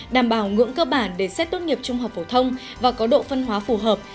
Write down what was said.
đảm bảo ngưỡng cơ bản để xét tốt nghiệp trung học phổ thông và có độ phân hóa phù hợp